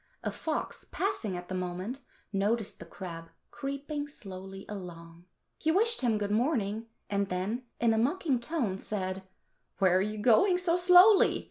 A fox passing at the moment noticed the crab creeping slowly along. He wished him good morning, and then in a mocking tone said, "Where are you going so slowly?